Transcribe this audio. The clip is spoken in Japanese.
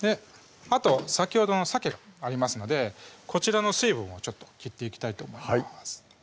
あと先ほどのさけがありますのでこちらの水分をちょっと切っていきたいと思います